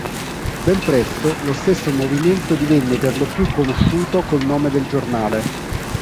Ben presto lo stesso movimento divenne perlopiù conosciuto col nome del giornale.